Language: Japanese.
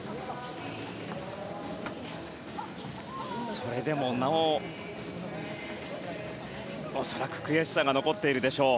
それでもなお、恐らく悔しさが残っているでしょう。